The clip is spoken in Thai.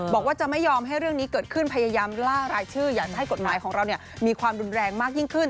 บอกว่าจะไม่ยอมให้เรื่องนี้เกิดขึ้นพยายามล่ารายชื่ออยากจะให้กฎหมายของเรามีความรุนแรงมากยิ่งขึ้น